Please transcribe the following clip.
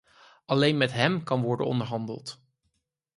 Alleen met hem kan worden onderhandeld.